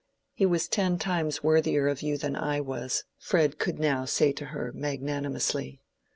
"He was ten times worthier of you than I was," Fred could now say to her, magnanimously.